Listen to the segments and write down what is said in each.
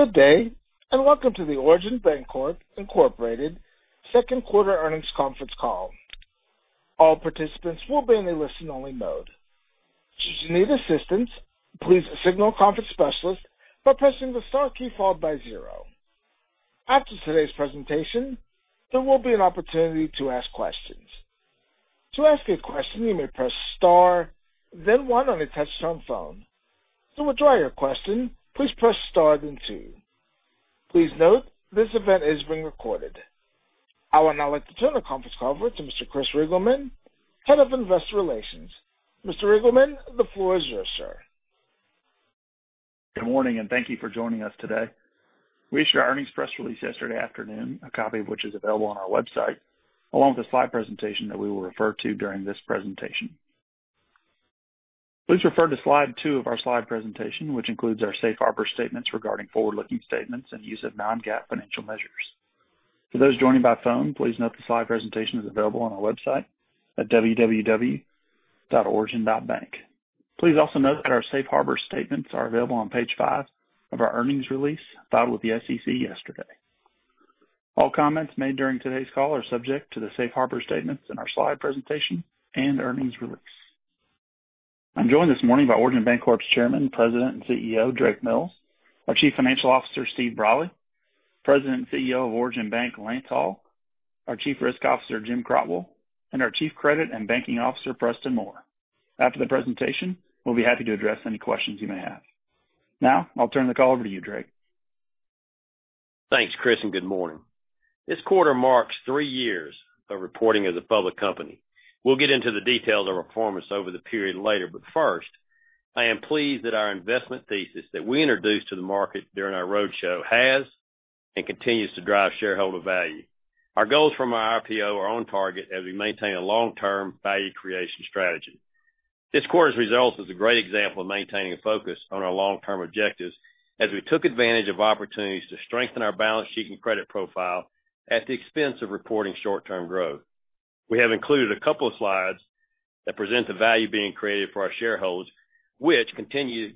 Good day, and welcome to the Origin Bancorp, Inc. second quarter earnings conference call. I would now like to turn the conference call over to Mr. Chris Reigelman, Head of Investor Relations. Mr. Reigelman, the floor is yours, sir. Good morning, thank you for joining us today. We issued our earnings press release yesterday afternoon, a copy of which is available on our website, along with the slide presentation that we will refer to during this presentation. Please refer to slide two of our slide presentation, which includes our safe harbor statements regarding forward-looking statements and use of non-GAAP financial measures. For those joining by phone, please note the slide presentation is available on our website at www.origin.bank. Please also note that our safe harbor statements are available on page five of our earnings release filed with the SEC yesterday. All comments made during today's call are subject to the safe harbor statements in our slide presentation and earnings release. I'm joined this morning by Origin Bancorp's Chairman, President, and CEO, Drake Mills, our Chief Financial Officer, Steve Brolly, President and CEO of Origin Bank, Lance Hall, our Chief Risk Officer, Jim Crotwell, and our Chief Credit and Banking Officer, Preston Moore. After the presentation, we'll be happy to address any questions you may have. Now, I'll turn the call over to you, Drake. Thanks, Chris, and good morning. This quarter marks three years of reporting as a public company. We'll get into the details of our performance over the period later, but first, I am pleased that our investment thesis that we introduced to the market during our roadshow has and continues to drive shareholder value. Our goals from our IPO are on target as we maintain a long-term value creation strategy. This quarter's results is a great example of maintaining a focus on our long-term objectives as we took advantage of opportunities to strengthen our balance sheet and credit profile at the expense of reporting short-term growth. We have included a couple of slides that present the value being created for our shareholders, which continue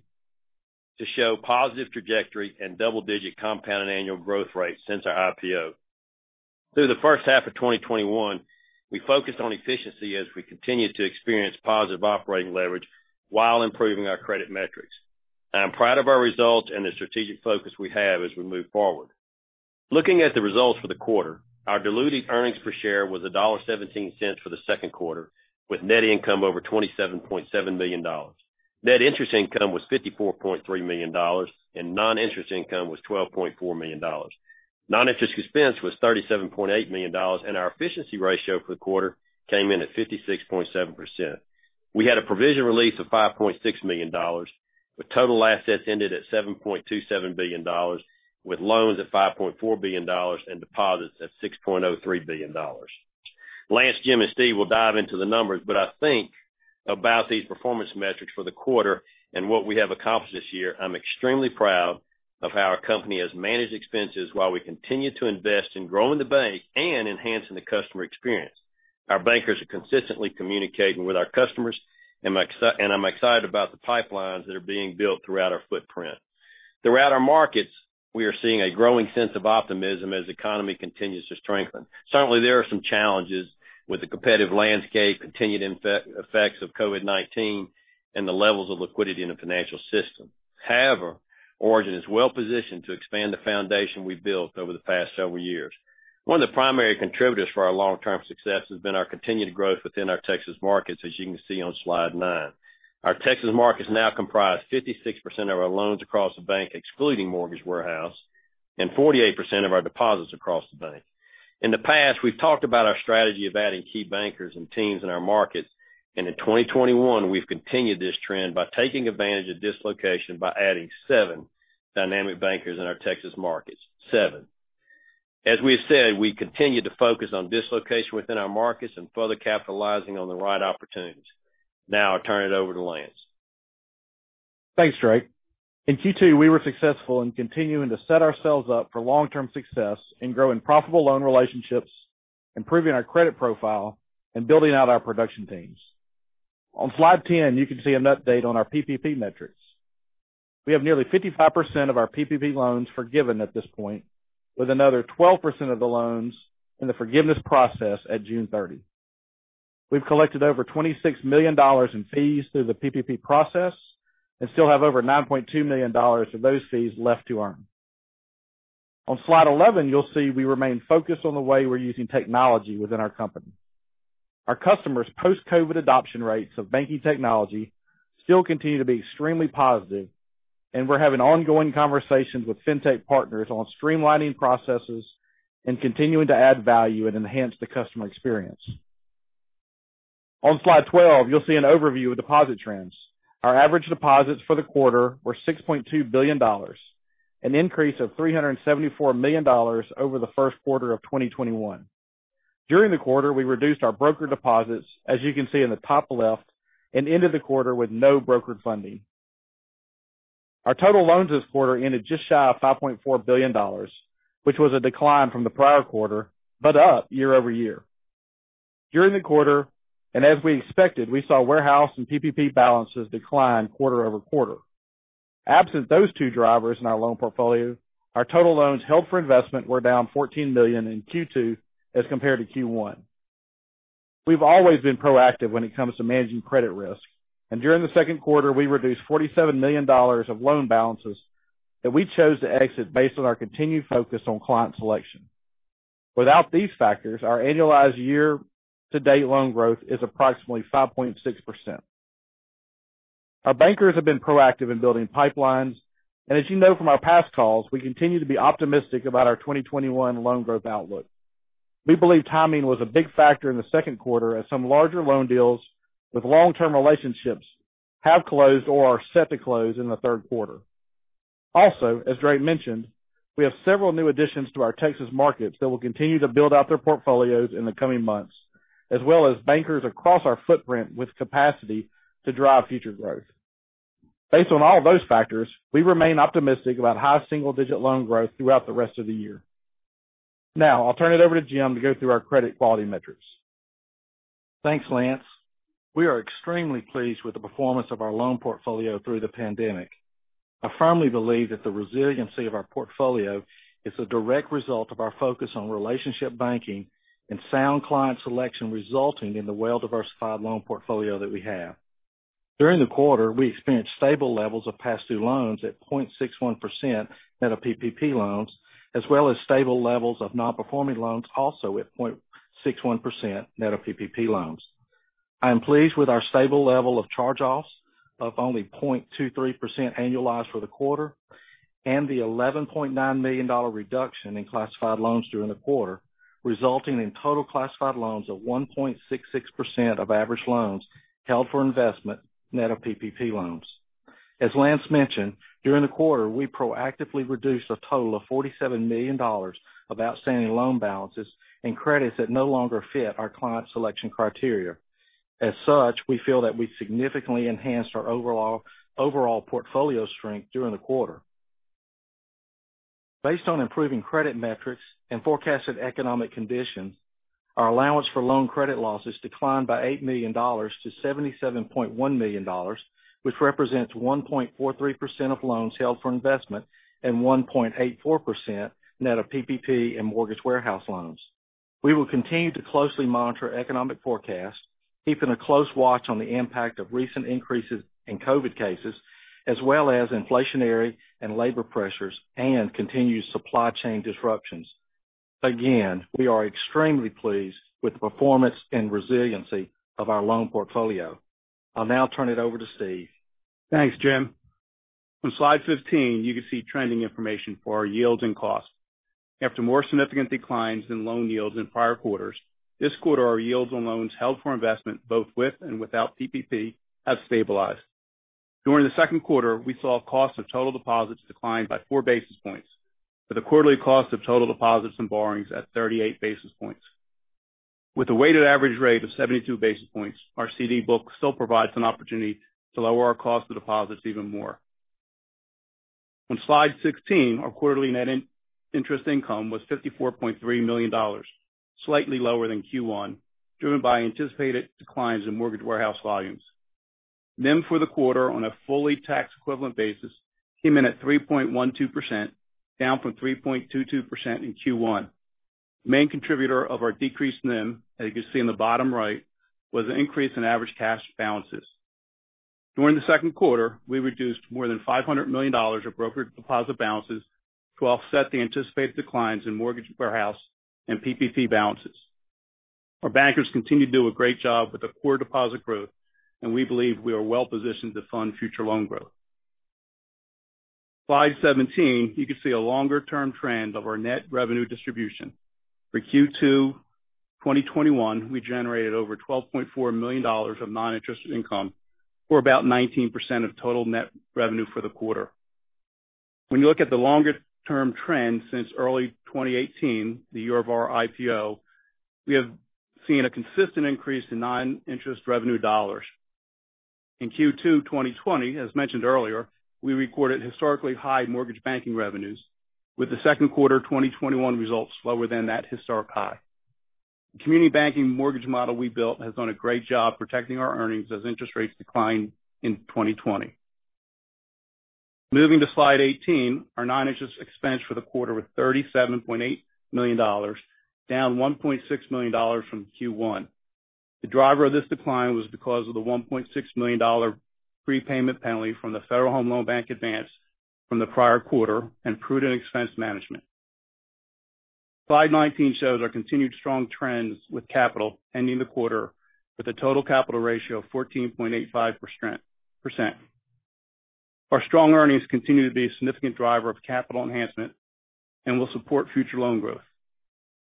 to show positive trajectory and double-digit compounded annual growth rates since our IPO. Through the first half of 2021, we focused on efficiency as we continued to experience positive operating leverage while improving our credit metrics. I am proud of our results and the strategic focus we have as we move forward. Looking at the results for the quarter, our dilutive earnings per share was $1.17 for the second quarter, with net income over $27.7 million. Net interest income was $54.3 million. Non-interest income was $12.4 million. Non-interest expense was $37.8 million. Our efficiency ratio for the quarter came in at 56.7%. We had a provision release of $5.6 million, with total assets ended at $7.27 billion, with loans at $5.4 billion and deposits at $6.03 billion. Lance, Jim, and Steve will dive into the numbers, I think about these performance metrics for the quarter and what we have accomplished this year, I'm extremely proud of how our company has managed expenses while we continue to invest in growing the bank and enhancing the customer experience. Our bankers are consistently communicating with our customers, I'm excited about the pipelines that are being built throughout our footprint. Throughout our markets, we are seeing a growing sense of optimism as the economy continues to strengthen. Certainly, there are some challenges with the competitive landscape, continued effects of COVID-19, and the levels of liquidity in the financial system. Origin is well-positioned to expand the foundation we've built over the past several years. One of the primary contributors for our long-term success has been our continued growth within our Texas markets, as you can see on slide nine. Our Texas markets now comprise 56% of our loans across the bank, excluding mortgage warehouse, and 48% of our deposits across the bank. In the past, we've talked about our strategy of adding key bankers and teams in our markets, in 2021, we've continued this trend by taking advantage of dislocation by adding seven dynamic bankers in our Texas markets. Seven. As we have said, we continue to focus on dislocation within our markets and further capitalizing on the right opportunities. Now I turn it over to Lance. Thanks, Drake. In Q2, we were successful in continuing to set ourselves up for long-term success in growing profitable loan relationships, improving our credit profile, and building out our production teams. On slide 10, you can see an update on our PPP metrics. We have nearly 55% of our PPP loans forgiven at this point, with another 12% of the loans in the forgiveness process at June 30. We've collected over $26 million in fees through the PPP process and still have over $9.2 million of those fees left to earn. On slide 11, you'll see we remain focused on the way we're using technology within our company. Our customers' post-COVID adoption rates of banking technology still continue to be extremely positive, and we're having ongoing conversations with fintech partners on streamlining processes and continuing to add value and enhance the customer experience. On slide 12, you'll see an overview of deposit trends. Our average deposits for the quarter were $6.2 billion, an increase of $374 million over the first quarter of 2021. During the quarter, we reduced our brokered deposits, as you can see in the top left, and ended the quarter with no brokered funding. Our total loans this quarter ended just shy of $5.4 billion, which was a decline from the prior quarter, but up year-over-year. During the quarter, as we expected, we saw warehouse and PPP balances decline quarter-over-quarter. Absent those two drivers in our loan portfolio, our total loans held for investment were down $14 million in Q2 as compared to Q1. We've always been proactive when it comes to managing credit risk, and during the second quarter, we reduced $47 million of loan balances that we chose to exit based on our continued focus on client selection. Without these factors, our annualized year-to-date loan growth is approximately 5.6%. Our bankers have been proactive in building pipelines, and as you know from our past calls, we continue to be optimistic about our 2021 loan growth outlook. We believe timing was a big factor in the second quarter as some larger loan deals with long-term relationships have closed or are set to close in the third quarter. As Drake mentioned, we have several new additions to our Texas markets that will continue to build out their portfolios in the coming months, as well as bankers across our footprint with capacity to drive future growth. Based on all those factors, we remain optimistic about high single-digit loan growth throughout the rest of the year. Now, I'll turn it over to Jim to go through our credit quality metrics. Thanks, Lance. We are extremely pleased with the performance of our loan portfolio through the pandemic. I firmly believe that the resiliency of our portfolio is a direct result of our focus on relationship banking and sound client selection, resulting in the well-diversified loan portfolio that we have. During the quarter, we experienced stable levels of past due loans at 0.61% net of PPP loans, as well as stable levels of non-performing loans, also at 0.61% net of PPP loans. I am pleased with our stable level of charge-offs of only 0.23% annualized for the quarter and the $11.9 million reduction in classified loans during the quarter, resulting in total classified loans of 1.66% of average loans held for investment net of PPP loans. As Lance mentioned, during the quarter, we proactively reduced a total of $47 million of outstanding loan balances and credits that no longer fit our client selection criteria. As such, we feel that we significantly enhanced our overall portfolio strength during the quarter. Based on improving credit metrics and forecasted economic conditions, our allowance for loan credit losses declined by $8 million to $77.1 million, which represents 1.43% of loans held for investment and 1.84% net of PPP and Mortgage Warehouse loans. We will continue to closely monitor economic forecasts, keeping a close watch on the impact of recent increases in COVID cases, as well as inflationary and labor pressures and continued supply chain disruptions. Again, we are extremely pleased with the performance and resiliency of our loan portfolio. I'll now turn it over to Steve. Thanks, Jim. On slide 15, you can see trending information for our yields and costs. After more significant declines in loan yields in prior quarters, this quarter, our yields on loans held for investment, both with and without PPP, have stabilized. During the second quarter, we saw costs of total deposits decline by four basis points, with a quarterly cost of total deposits and borrowings at 38 basis points. With a weighted average rate of 72 basis points, our CD book still provides an opportunity to lower our cost of deposits even more. On slide 16, our quarterly net interest income was $54.3 million, slightly lower than Q1, driven by anticipated declines in Mortgage Warehouse volumes. NIM for the quarter on a fully tax-equivalent basis came in at 3.12%, down from 3.22% in Q1. The main contributor of our decreased NIM, as you can see in the bottom right, was an increase in average cash balances. During the second quarter, we reduced more than $500 million of brokered deposit balances to offset the anticipated declines in Mortgage Warehouse and PPP balances. Our bankers continue to do a great job with the core deposit growth, and we believe we are well-positioned to fund future loan growth. Slide 17, you can see a longer-term trend of our net revenue distribution. For Q2 2021, we generated over $12.4 million of non-interest income, or about 19% of total net revenue for the quarter. When you look at the longer-term trend since early 2018, the year of our IPO, we have seen a consistent increase in non-interest revenue dollars. In Q2 2020, as mentioned earlier, we recorded historically high mortgage banking revenues, with the second quarter 2021 results lower than that historic high. The community banking mortgage model we built has done a great job protecting our earnings as interest rates declined in 2020. Moving to slide 18, our non-interest expense for the quarter was $37.8 million, down $1.6 million from Q1. The driver of this decline was because of the $1.6 million prepayment penalty from the Federal Home Loan Bank advance from the prior quarter and prudent expense management. Slide 19 shows our continued strong trends with capital ending the quarter with a total capital ratio of 14.85%. Our strong earnings continue to be a significant driver of capital enhancement and will support future loan growth.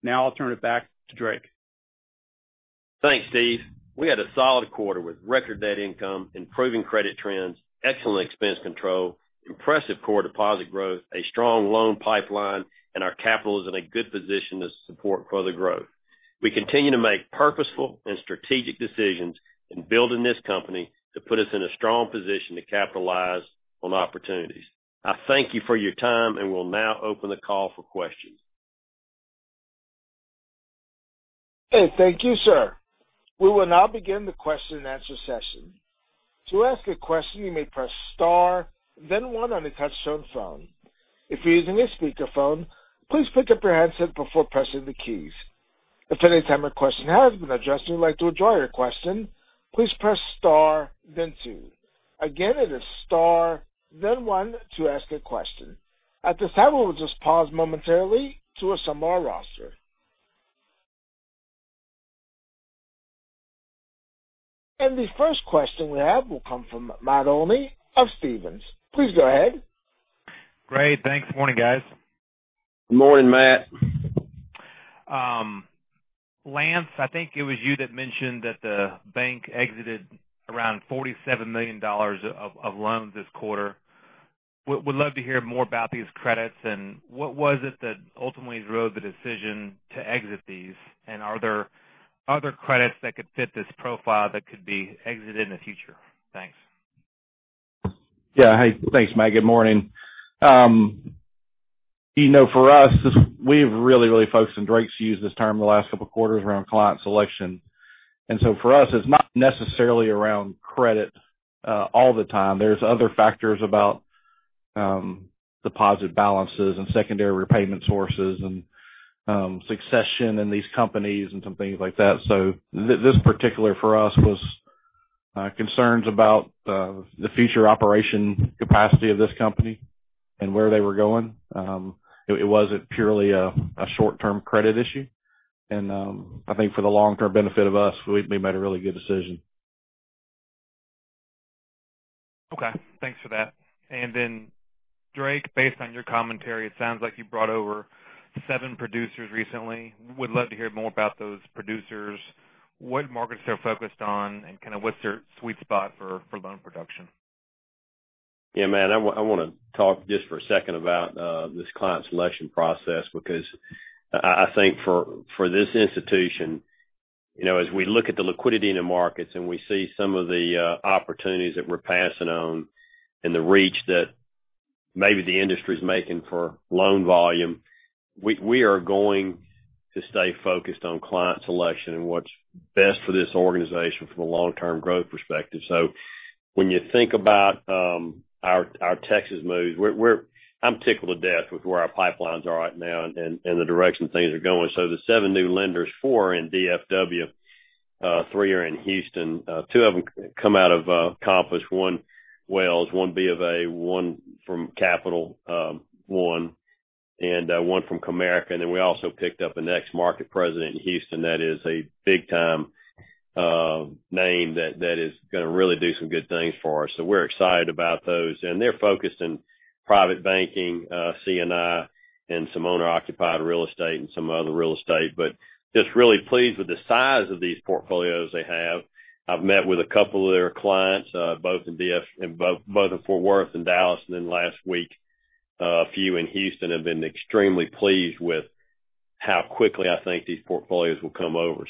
Now I'll turn it back to Drake. Thanks, Steve. We had a solid quarter with record net income, improving credit trends, excellent expense control, impressive core deposit growth, a strong loan pipeline, and our capital is in a good position to support further growth. We continue to make purposeful and strategic decisions in building this company to put us in a strong position to capitalize on opportunities. I thank you for your time and will now open the call for questions. Okay. Thank you, sir. We will now begin the question and answer session. At this time, we'll just pause momentarily to assemble our roster. The first question we have will come from Matt Olney of Stephens. Please go ahead. Great. Thanks. Morning, guys. Morning, Matt. Lance, I think it was you that mentioned that the bank exited around $47 million of loans this quarter. Would love to hear more about these credits and what was it that ultimately drove the decision to exit these, and are there other credits that could fit this profile that could be exited in the future? Thanks. Hey, thanks, Matt. Good morning. For us, we've really focused, and Drake's used this term the last couple of quarters around client selection. For us, it's not necessarily around credit all the time. There's other factors about deposit balances and secondary repayment sources and succession in these companies and some things like that. This particular for us was concerns about the future operation capacity of this company and where they were going. It wasn't purely a short-term credit issue. I think for the long-term benefit of us, we made a really good decision. Okay. Thanks for that. Drake, based on your commentary, it sounds like you brought over seven producers recently. Would love to hear more about those producers. What markets they're focused on, and what's their sweet spot for loan production? Matt, I want to talk just for a second about this client selection process, because I think for this institution, as we look at the liquidity in the markets and we see some of the opportunities that we're passing on and the reach that maybe the industry's making for loan volume, we are going to stay focused on client selection and what's best for this organization from a long-term growth perspective. When you think about our Texas moves, I'm tickled to death with where our pipelines are right now and the direction things are going. The seven new lenders, four are in DFW, three are in Houston. Two of them come out of Compass, one Wells, 1 B of A, one from Capital One, and one from Comerica. Then we also picked up an ex-market president in Houston that is a big-time name that is going to really do some good things for us. We're excited about those. They're focused in private banking, C&I, and some owner-occupied real estate and some other real estate, but just really pleased with the size of these portfolios they have. I've met with a couple of their clients, both in Fort Worth and Dallas, and then last week, a few in Houston. I have been extremely pleased with how quickly I think these portfolios will come over.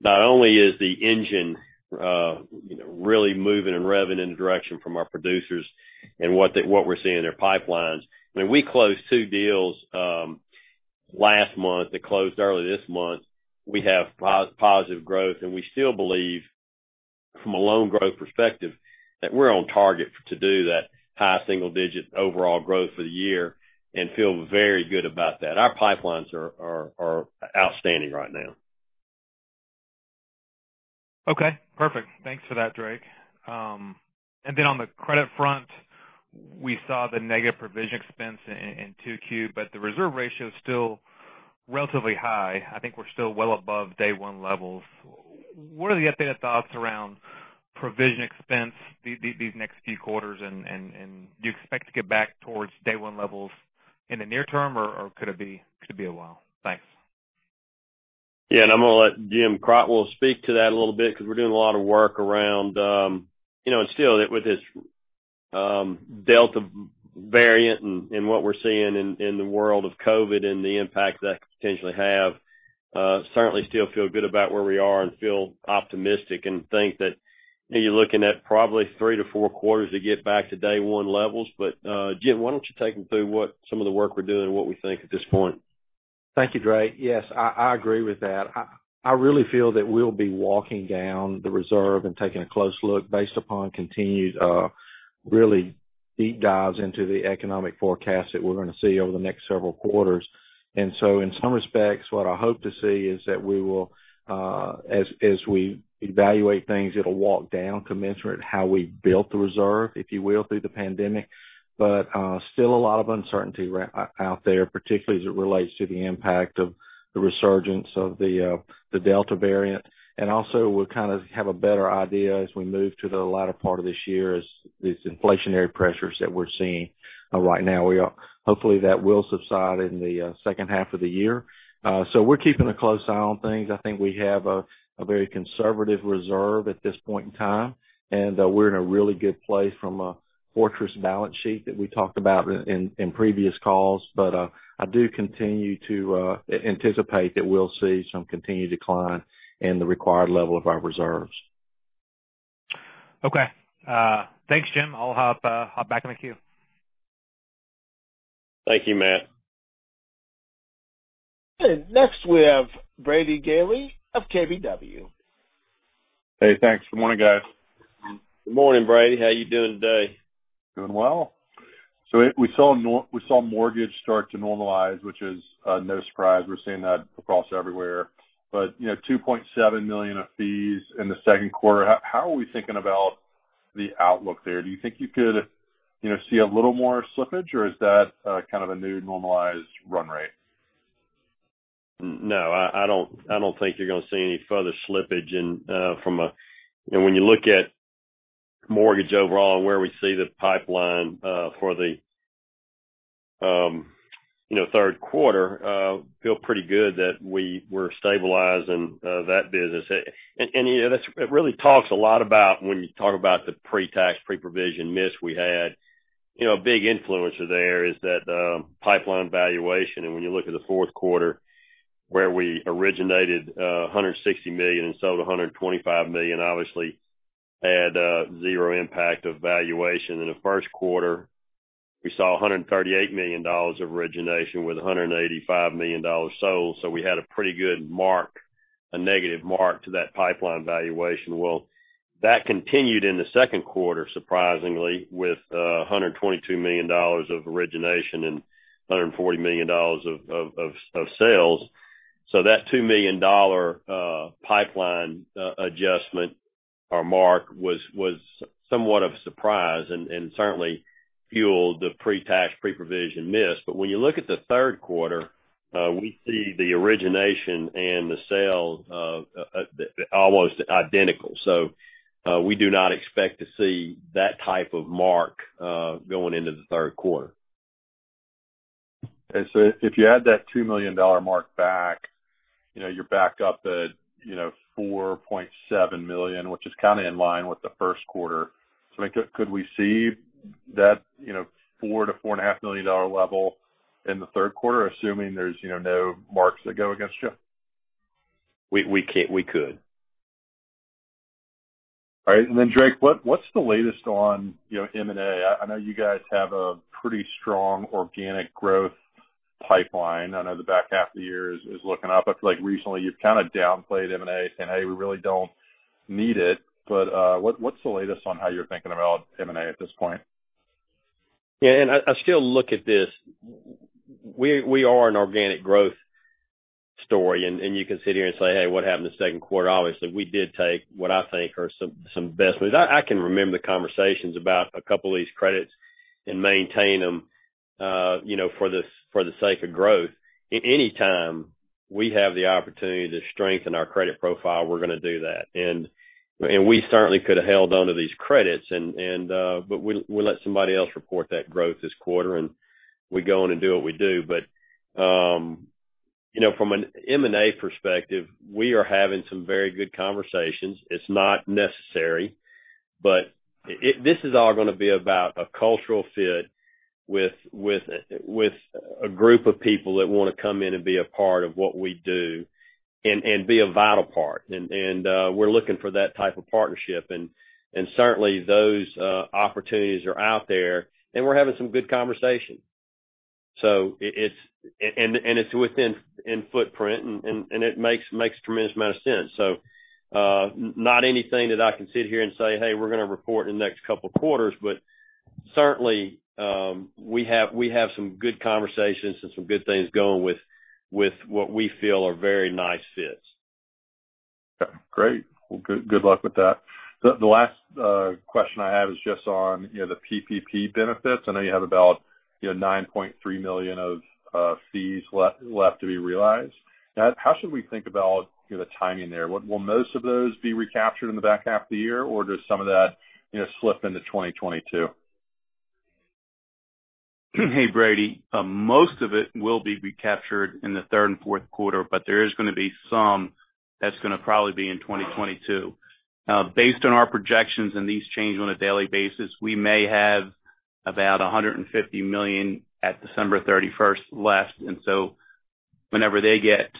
Not only is the engine really moving and revving in the direction from our producers and what we're seeing in their pipelines. I mean, we closed two deals last month that closed early this month. We have positive growth, and we still believe from a loan growth perspective that we're on target to do that high single-digit overall growth for the year and feel very good about that. Our pipelines are outstanding right now. Okay, perfect. Thanks for that, Drake. Then on the credit front, we saw the negative provision expense in 2Q, but the reserve ratio is still relatively high. I think we're still well above day one levels. What are the updated thoughts around provision expense these next few quarters, and do you expect to get back towards day one levels in the near term, or could it be a while? Thanks. I'm going to let Jim Crotwell speak to that a little bit because we're doing a lot of work and still with this Delta variant and what we're seeing in the world of COVID and the impact that could potentially have. Certainly still feel good about where we are and feel optimistic and think that you're looking at probably three to four quarters to get back to day one levels. Jim, why don't you take them through some of the work we're doing and what we think at this point? Thank you, Drake. Yes, I agree with that. I really feel that we'll be walking down the reserve and taking a close look based upon continued really deep dives into the economic forecast that we're going to see over the next several quarters. In some respects, what I hope to see is that we will, as we evaluate things, it'll walk down commensurate how we built the reserve, if you will, through the pandemic. Still a lot of uncertainty out there, particularly as it relates to the impact of the resurgence of the Delta variant. Also, we'll kind of have a better idea as we move to the latter part of this year as these inflationary pressures that we're seeing right now. Hopefully, that will subside in the second half of the year. We're keeping a close eye on things. I think we have a very conservative reserve at this point in time, and we're in a really good place from a fortress balance sheet that we talked about in previous calls. I do continue to anticipate that we'll see some continued decline in the required level of our reserves. Okay. Thanks, Jim. I'll hop back in the queue. Thank you, Matt. Next we have Brady Gailey of KBW. Hey, thanks. Good morning, guys. Good morning, Brady. How are you doing today? Doing well. We saw mortgage start to normalize, which is no surprise. We're seeing that across everywhere. $2.7 million of fees in the second quarter, how are we thinking about the outlook there? Do you think you could see a little more slippage, or is that kind of a new normalized run rate? No, I don't think you're going to see any further slippage. When you look at mortgage overall and where we see the pipeline for the third quarter, feel pretty good that we're stabilizing that business. It really talks a lot about when you talk about the pre-tax, pre-provision miss we had. A big influencer there is that pipeline valuation, and when you look at the fourth quarter, where we originated $160 million and sold $125 million, obviously had zero impact of valuation. In the first quarter, we saw $138 million of origination with $185 million sold, so we had a pretty good mark, a negative mark to that pipeline valuation. Well, that continued in the second quarter, surprisingly, with $122 million of origination and $140 million of sales. That $2 million pipeline adjustment or mark was somewhat of a surprise and certainly fueled the pre-tax, pre-provision miss. When you look at the third quarter, we see the origination and the sale almost identical. We do not expect to see that type of mark going into the third quarter. If you add that $2 million mark back, you're back up at $4.7 million, which is kind of in line with the first quarter. Could we see that, four to four and a half million dollar level in the third quarter, assuming there's no marks that go against you? We could. All right. Drake, what's the latest on M&A? I know you guys have a pretty strong organic growth pipeline. I know the back half of the year is looking up. I feel like recently you've kind of downplayed M&A, saying, "Hey, we really don't need it." What's the latest on how you're thinking about M&A at this point? Yeah. I still look at this, we are an organic growth story, and you can sit here and say, "Hey, what happened the second quarter." Obviously, we did take what I think are I can remember the conversations about a couple of these credits and maintain them for the sake of growth. Any time we have the opportunity to strengthen our credit profile, we're going to do that. We certainly could have held onto these credits, but we let somebody else report that growth this quarter, and we go in and do what we do. From an M&A perspective, we are having some very good conversations. It's not necessary, but this is all going to be about a cultural fit with a group of people that want to come in and be a part of what we do and be a vital part. We're looking for that type of partnership. Certainly, those opportunities are out there, and we're having some good conversation. It's within footprint, and it makes a tremendous amount of sense. Not anything that I can sit here and say, "Hey, we're going to report in the next couple of quarters," but certainly, we have some good conversations and some good things going with what we feel are very nice fits. Great. Good luck with that. The last question I have is just on the PPP benefits. I know you have about $9.3 million of fees left to be realized. How should we think about the timing there? Will most of those be recaptured in the back half of the year, or does some of that slip into 2022? Hey, Brady. Most of it will be recaptured in the third and fourth quarter, there is going to be some that's going to probably be in 2022. Based on our projections, these change on a daily basis, we may have about $150 million at December 31st left. Whenever they get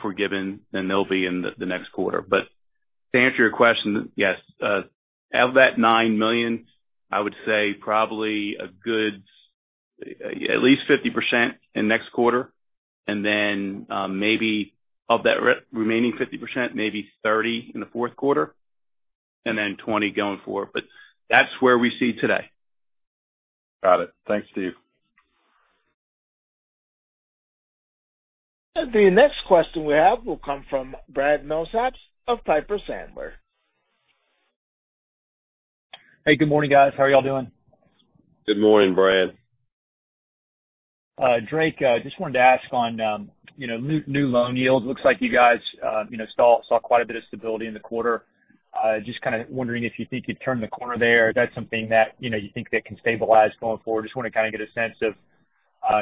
forgiven, they'll be in the next quarter. To answer your question, yes. Of that $9 million, I would say probably a good at least 50% in next quarter, maybe of that remaining 50%, maybe $30 million in the fourth quarter, $20 million going forward. That's where we see today. Got it. Thanks, Steve. The next question we have will come from Brad Milsaps of Piper Sandler. Hey, good morning, guys. How are you all doing? Good morning, Brad. Drake, I just wanted to ask on new loan yields. Looks like you guys saw quite a bit of stability in the quarter. Just kind of wondering if you think you'd turn the corner there. That's something that you think that can stabilize going forward. Just want to kind of get a sense of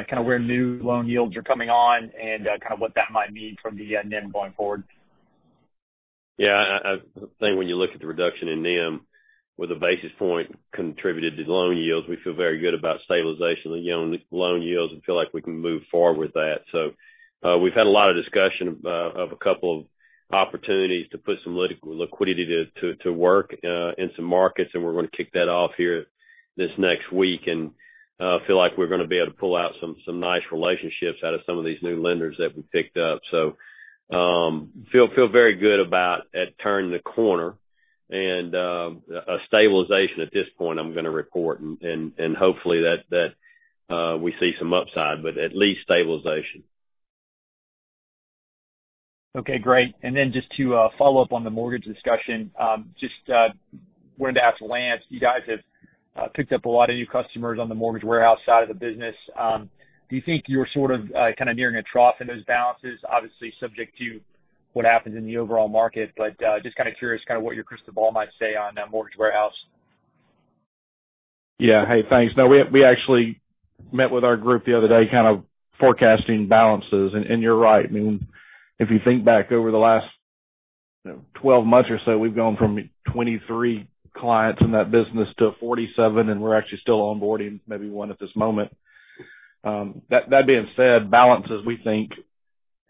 kind of where new loan yields are coming on and kind of what that might mean from the NIM going forward. Yeah. I think when you look at the reduction in NIM with a basis point contributed to loan yields, we feel very good about stabilization of loan yields and feel like we can move forward with that. We've had a lot of discussion of a couple of opportunities to put some liquidity to work in some markets, and we're going to kick that off here this next week, and feel like we're going to be able to pull out some nice relationships out of some of these new lenders that we picked up. Feel very good about turning the corner and a stabilization at this point, I'm going to report, and hopefully that we see some upside, but at least stabilization. Okay, great. Just to follow up on the mortgage discussion, just wanted to ask Lance, you guys have picked up a lot of new customers on the Mortgage Warehouse side of the business. Do you think you're sort of nearing a trough in those balances, obviously subject to what happens in the overall market? Just kind of curious what your crystal ball might say on that Mortgage Warehouse. Yeah. Hey, thanks. No, we actually met with our group the other day, kind of forecasting balances. You're right. If you think back over the last 12 months or so, we've gone from 23 clients in that business to 47, and we're actually still onboarding maybe one at this moment. That being said, balances, we think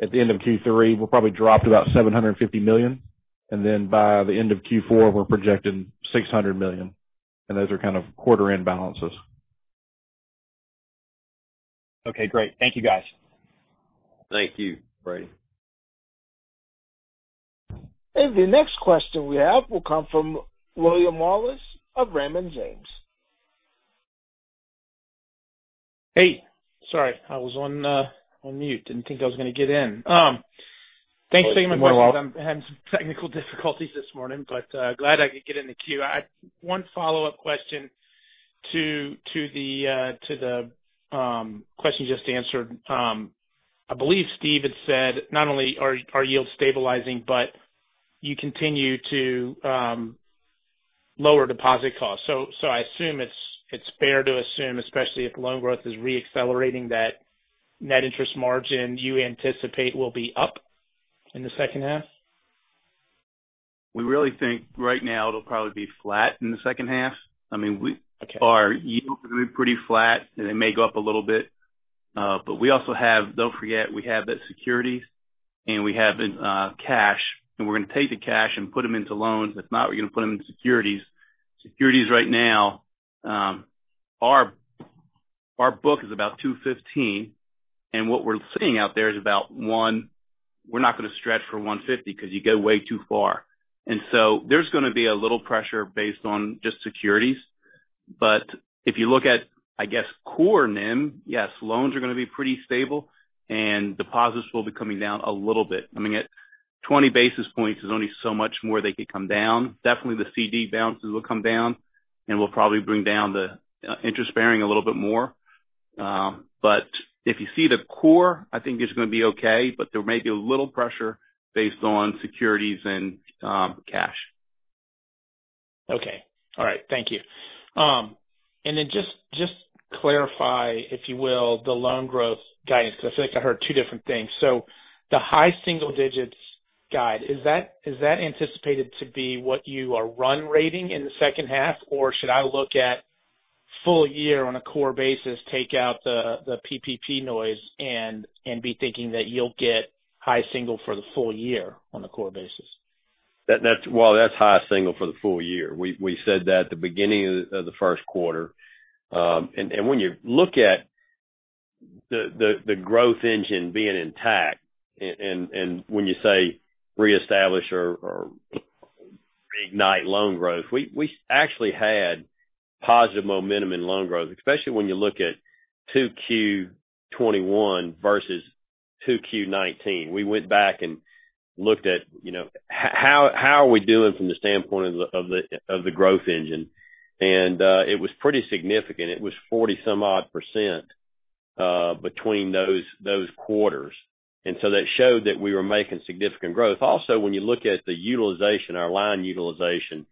at the end of Q3 will probably drop to about $750 million. Then by the end of Q4, we're projecting $600 million. Those are kind of quarter-end balances. Okay, great. Thank you, guys. Thank you, Brady. The next question we have will come from William Wallace of Raymond James. Hey, sorry, I was on mute. Didn't think I was going to get in. Thanks very much. You're welcome. I'm having some technical difficulties this morning, but glad I could get in the queue. One follow-up question to the question just answered. I believe Steve had said, not only are yields stabilizing, but you continue to lower deposit costs. I assume it's fair to assume, especially if loan growth is re-accelerating, that net interest margin you anticipate will be up in the second half? We really think right now it'll probably be flat in the second half. Okay. Our yield could be pretty flat, and it may go up a little bit. We also have, don't forget, we have the securities, and we have cash, and we're going to take the cash and put them into loans. If not, we're going to put them into securities. Securities right now, our book is about 215, and what we're seeing out there is we're not going to stretch for 150 because you go way too far. There's going to be a little pressure based on just securities. If you look at, I guess, core NIM. Yes, loans are going to be pretty stable and deposits will be coming down a little bit. I mean, at 20 basis points, there's only so much more they could come down. Definitely, the CD balances will come down, and we'll probably bring down the interest bearing a little bit more. If you see the core, I think it's going to be okay, but there may be a little pressure based on securities and cash. Okay. All right. Thank you. Just clarify, if you will, the loan growth guidance, because I feel like I heard two different things. The high single-digits guide, is that anticipated to be what you are run rating in the second half? Or should I look at full year on a core basis, take out the PPP noise, and be thinking that you'll get high single for the full year on a core basis? Well, that's high single for the full year. We said that at the beginning of the first quarter. When you look at the growth engine being intact, and when you say reestablish or reignite loan growth, we actually had positive momentum in loan growth, especially when you look at 2Q 2021 versus 2Q 2019. We went back and looked at how are we doing from the standpoint of the growth engine, and it was pretty significant. It was 40-some odd percent between those quarters. That showed that we were making significant growth. Also, when you look at the utilization, our line utilization,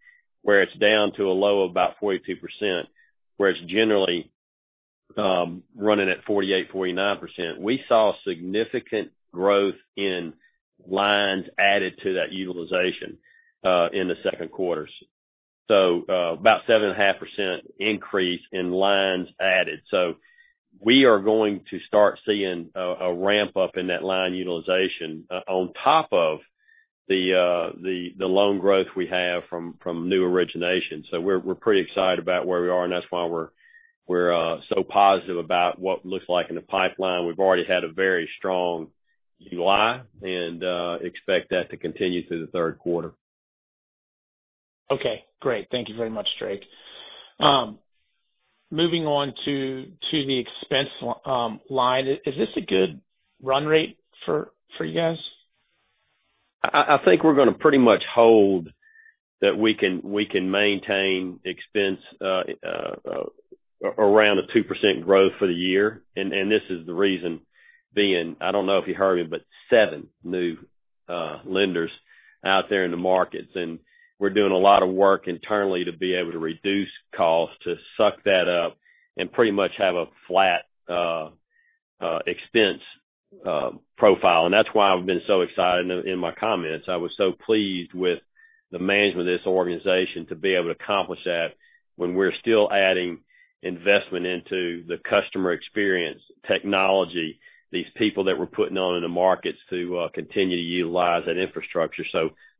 where it's down to a low of about 42%, where it's generally running at 48%, 49%. We saw significant growth in lines added to that utilization in the second quarters. About 7.5% increase in lines added. We are going to start seeing a ramp-up in that line utilization on top of the loan growth we have from new originations. We're pretty excited about where we are, and that's why we're so positive about what looks like in the pipeline. We've already had a very strong July and expect that to continue through the third quarter. Okay, great. Thank you very much, Drake. Moving on to the expense line. Is this a good run rate for you guys? I think we're going to pretty much hold that we can maintain expense around a 2% growth for the year. This is the reason being, I don't know if you heard me, but seven new lenders out there in the markets, and we're doing a lot of work internally to be able to reduce costs to suck that up and pretty much have a flat expense profile. That's why I've been so excited in my comments. I was so pleased with the management of this organization to be able to accomplish that when we're still adding investment into the customer experience, technology, these people that we're putting on in the markets to continue to utilize that infrastructure.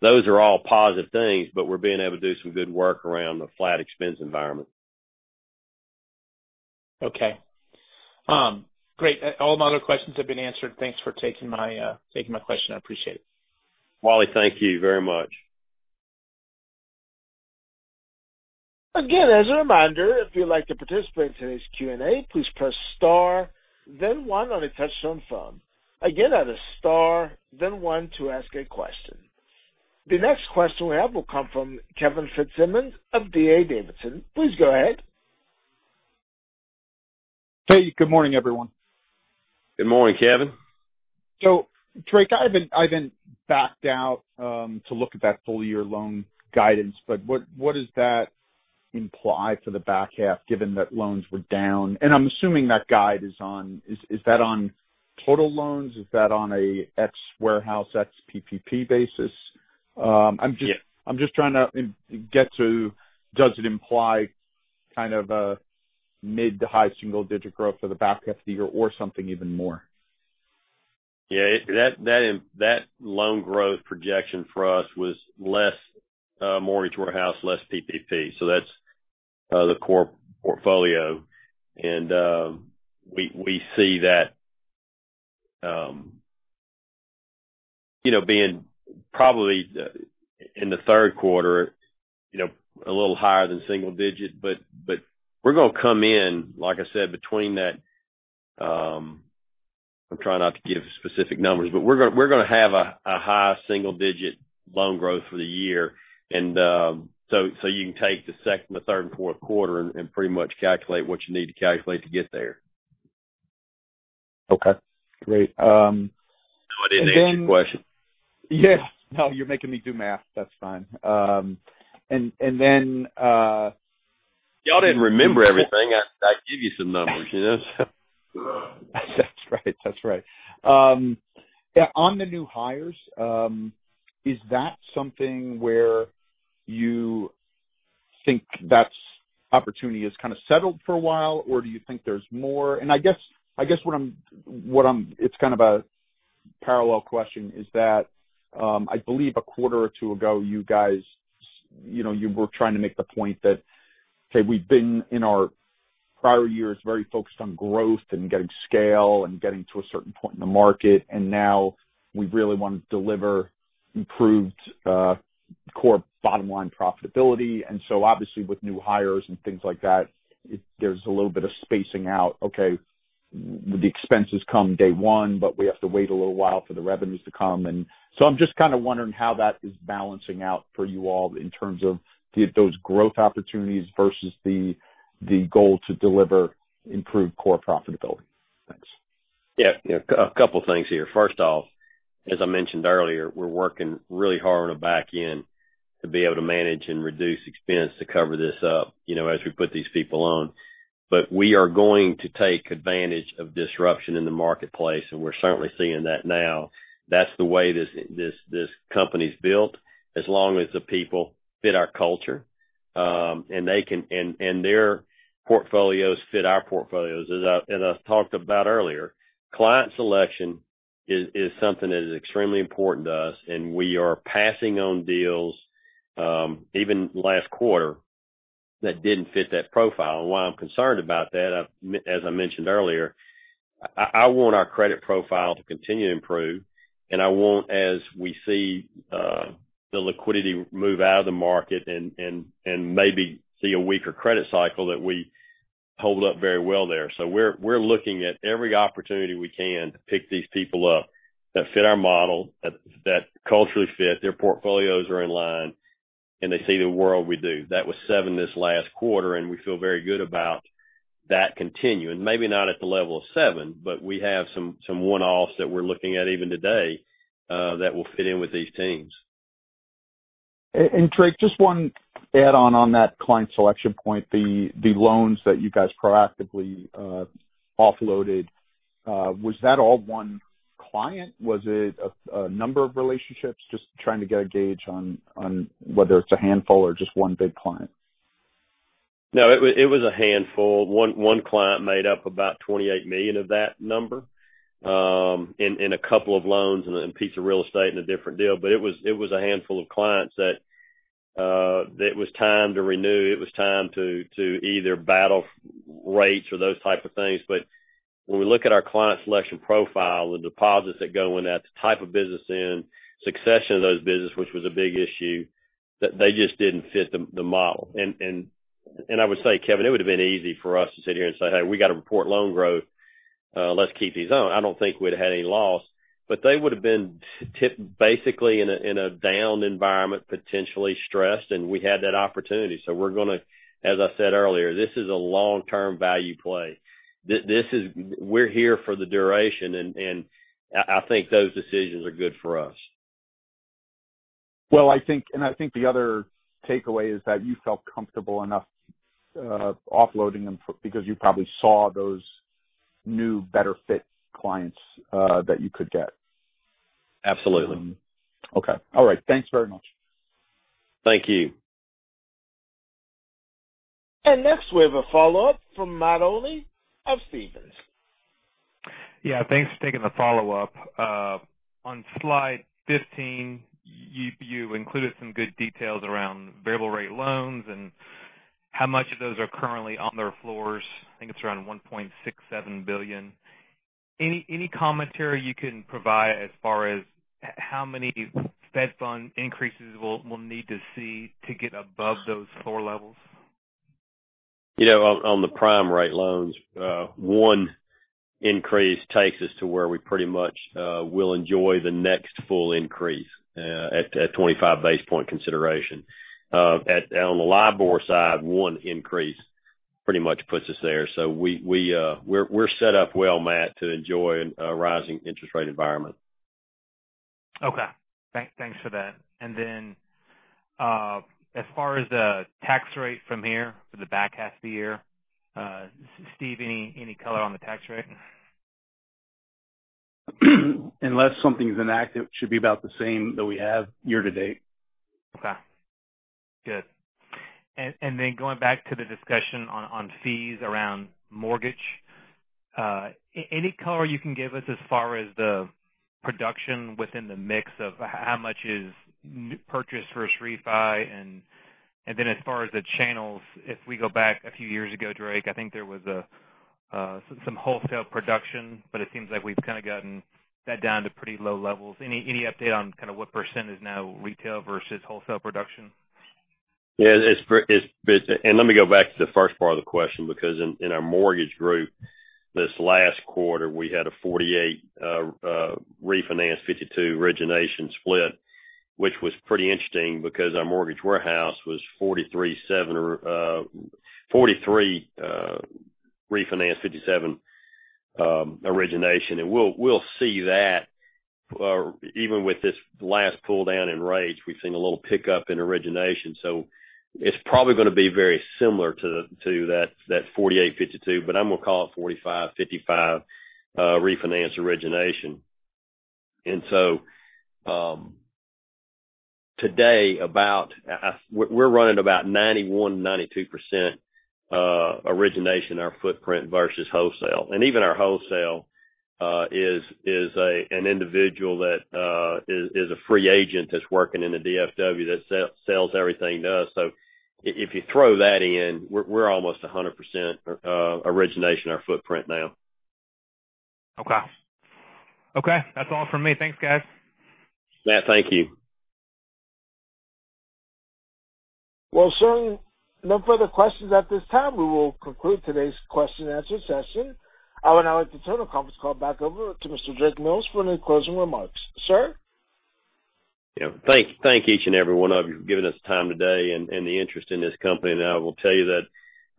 Those are all positive things, but we're being able to do some good work around the flat expense environment. Okay. Great. All my other questions have been answered. Thanks for taking my question. I appreciate it. Willy, thank you very much. Again, as a reminder, if you'd like to participate in today's Q&A, please press star then one on a touch-tone phone. Again, that is star then one to ask a question. The next question we have will come from Kevin Fitzsimmons of D.A. Davidson. Please go ahead. Hey, good morning, everyone. Good morning, Kevin. Drake, I haven't backed out to look at that full-year loan guidance, but what does that imply for the back half, given that loans were down? I'm assuming that guide, is that on total loans? Is that on a ex warehouse, ex PPP basis? Yeah. I'm just trying to get to does it imply kind of a mid to high single-digit growth for the back half of the year or something even more? Yeah. That loan growth projection for us was less Mortgage Warehouse, less PPP. That's the core portfolio. We see that being probably in the third quarter, a little higher than single digit. We're going to come in, like I said, I'm trying not to give specific numbers, but we're going to have a high single-digit loan growth for the year. You can take the second, the third, and fourth quarter and pretty much calculate what you need to calculate to get there. Okay, great. I didn't answer your question. Yeah. No, you're making me do math. That's fine. You all didn't remember everything. I give you some numbers. That's right. On the new hires, is that something where you think that opportunity has kind of settled for a while, or do you think there's more? I guess it's kind of a parallel question is that, I believe a quarter or two ago, you guys, you were trying to make the point that, okay, we've been, in our prior years, very focused on growth and getting scale and getting to a certain point in the market, and now we really want to deliver improved core bottom-line profitability. Obviously with new hires and things like that, there's a little bit of spacing out. Okay, the expenses come day one, but we have to wait a little while for the revenues to come. I'm just kind of wondering how that is balancing out for you all in terms of those growth opportunities versus the goal to deliver improved core profitability. Thanks. Yeah. A couple of things here. First off, as I mentioned earlier, we're working really hard on the back end to be able to manage and reduce expense to cover this up as we put these people on. We are going to take advantage of disruption in the marketplace, and we're certainly seeing that now. That's the way this company's built. As long as the people fit our culture, and their portfolios fit our portfolios. As I talked about earlier, client selection is something that is extremely important to us, and we are passing on deals, even last quarter, that didn't fit that profile. Why I'm concerned about that, as I mentioned earlier, I want our credit profile to continue to improve, and I want, as we see the liquidity move out of the market and maybe see a weaker credit cycle, that we hold up very well there. We're looking at every opportunity we can to pick these people up that fit our model, that culturally fit, their portfolios are in line, and they see the world we do. That was seven this last quarter, and we feel very good about that continuing. Maybe not at the level of seven, but we have some one-offs that we're looking at even today that will fit in with these teams. Drake, just one add-on, on that client selection point. The loans that you guys proactively offloaded, was that all 1 client? Was it a number of relationships? Just trying to get a gauge on whether it's a handful or just one big client. No, it was a handful. One client made up about $28 million of that number, in a couple of loans and a piece of real estate and a different deal. It was a handful of clients that it was time to renew. It was time to either battle rates or those type of things. When we look at our client selection profile, the deposits that go in, the type of business in, succession of those businesses, which was a big issue, that they just didn't fit the model. I would say, Kevin, it would've been easy for us to sit here and say, "Hey, we got to report loan growth. Let's keep these on." I don't think we'd had any loss. They would've been basically in a downed environment, potentially stressed, and we had that opportunity. We're going to, as I said earlier, this is a long-term value play. We're here for the duration, and I think those decisions are good for us. Well, I think the other takeaway is that you felt comfortable enough offloading them because you probably saw those new, better fit clients that you could get. Absolutely. Okay. All right. Thanks very much. Thank you. Next, we have a follow-up from Matt Olney of Stephens. Thanks for taking the follow-up. On slide 15, you included some good details around variable rate loans and how much of those are currently on their floors. I think it's around $1.67 billion. Any commentary you can provide as far as how many Fed fund increases we'll need to see to get above those floor levels? On the prime rate loans, one increase takes us to where we pretty much will enjoy the next full increase at 25 basis point consideration. On the LIBOR side, one increase pretty much puts us there. We're set up well, Matt, to enjoy a rising interest rate environment. Okay. Thanks for that. As far as the tax rate from here for the back half of the year, Steve, any color on the tax rate? Unless something's enacted, it should be about the same that we have year to date. Okay, good. Going back to the discussion on fees around mortgage, any color you can give us as far as the production within the mix of how much is purchase versus refi? As far as the channels, if we go back a few years ago, Drake, I think there was some wholesale production, but it seems like we've kind of gotten that down to pretty low levels. Any update on kind of what percentage is now retail versus wholesale production? Yeah. Let me go back to the first part of the question, because in our mortgage group this last quarter, we had a 48% refinance, 52% origination split, which was pretty interesting because our Mortgage Warehouse was 43% refinance, 57% origination. We'll see that even with this last pull down in rates, we've seen a little pickup in origination. It's probably going to be very similar to that 48%, 52%, but I'm going to call it 45%, 55% refinance origination. Today, we're running about 91%-92% origination, our footprint versus wholesale. Even our wholesale is an individual that is a free agent that's working in the DFW that sells everything to us. If you throw that in, we're almost 100% origination, our footprint now. Okay. That's all from me. Thanks, guys. Matt, thank you. Well, sir, no further questions at this time. We will conclude today's question and answer session. I would now like to turn the conference call back over to Mr. Drake Mills for any closing remarks. Sir? Thank each and every one of you for giving us time today and the interest in this company. I will tell you that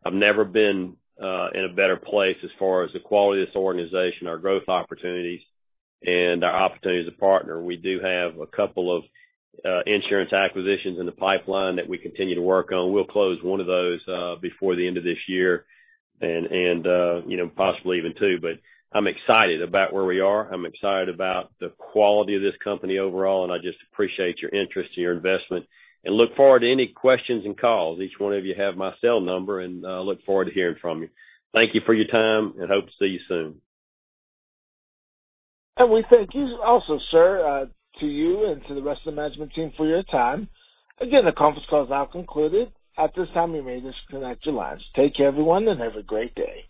I've never been in a better place as far as the quality of this organization, our growth opportunities, and our opportunity as a partner. We do have a couple of insurance acquisitions in the pipeline that we continue to work on. We'll close one of those before the end of this year and possibly even two. I'm excited about where we are. I'm excited about the quality of this company overall, and I just appreciate your interest and your investment and look forward to any questions and calls. Each one of you have my cell number, and I look forward to hearing from you. Thank you for your time, and hope to see you soon. We thank you also, sir, to you and to the rest of the management team for your time. The conference call is now concluded. At this time, you may disconnect your lines. Take care, everyone, and have a great day.